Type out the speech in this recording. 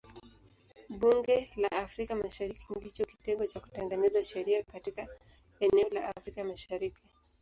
Bunge la Afrika Mashariki ndicho kitengo cha kutengeneza sheria katika eneo la Afrika Mashariki.